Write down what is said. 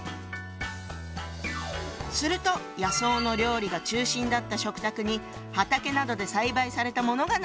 すると野草の料理が中心だった食卓に畑などで栽培されたものが並ぶように。